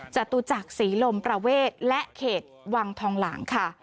จตุจักษ์สีลมประเวทและเขตวังทองหลัง